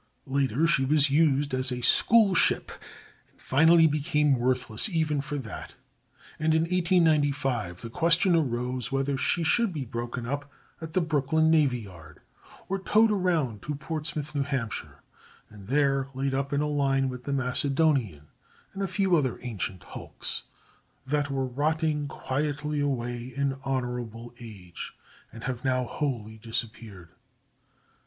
Later she was used as a school ship, but finally became worthless even for that, and in 1895 the question arose whether she should be broken up at the Brooklyn navy yard or towed around to Portsmouth, New Hampshire, and there laid up in a line with the Macedonian and a few other ancient hulks that were rotting quietly away in honorable age, and have now wholly disappeared.